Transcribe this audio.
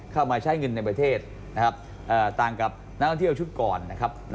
เข้ามาใช้เงินในประเทศนะครับต่างกับนักท่องเที่ยวชุดก่อนนะครับ